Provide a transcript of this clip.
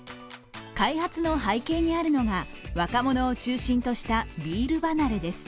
開発の背景にあるのが若者を中心としたビール離れです。